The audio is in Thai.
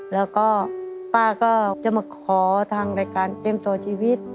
แล้วก็ป้าก็จะมาขอทางรายการเตรียมต่อชีวิต